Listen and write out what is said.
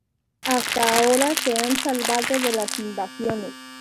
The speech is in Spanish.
Hasta ahora, se han salvado de las invasiones.